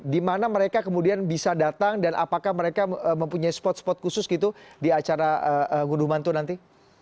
di mana mereka kemudian bisa datang dan apakah mereka mempunyai spot spot khusus gitu di acara ngunduh mantu nanti